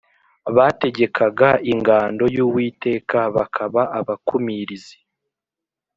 Bategekaga ingando y uwiteka bakaba abakumirizi